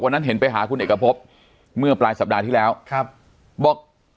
เห็นไปหาคุณเอกพบเมื่อปลายสัปดาห์ที่แล้วครับบอก